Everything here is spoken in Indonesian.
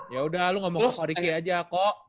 ya udah lo ngomong ke kodiki aja kok